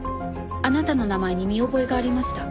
あなたの名前に見覚えがありました。